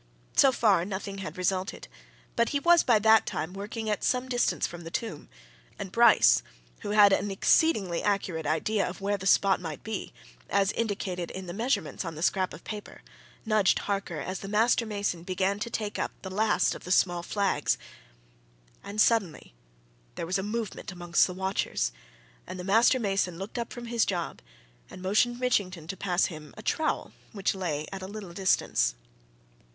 So far nothing had resulted, but he was by that time working at some distance from the tomb, and Bryce, who had an exceedingly accurate idea of where the spot might be, as indicated in the measurements on the scrap of paper, nudged Harker as the master mason began to take up the last of the small flags. And suddenly there was a movement amongst the watchers, and the master mason looked up from his job and motioned Mitchington to pass him a trowel which lay at a little distance.